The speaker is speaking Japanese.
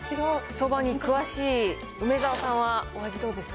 そばに詳しい梅沢さんは、お味どうですか？